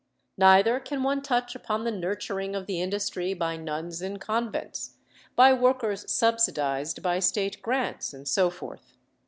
Neither can one touch upon the nurturing of the industry by nuns in convents, by workers subsidised by State grants, and so forth.